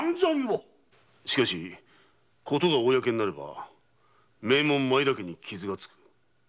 しかしことが公になれば名門・前田家に傷がつく。